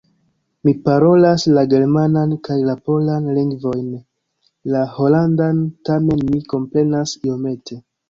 Mi parolas la germanan kaj la polan lingvojn; la holandan tamen mi komprenas iomete.